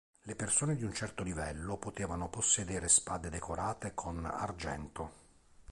Le persone di un certo livello potevano possedere spade decorate con argento.